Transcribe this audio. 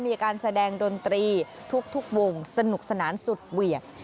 มีการแสดงดนตรีทุกวงสนุกสนานสุดเหวี่ยง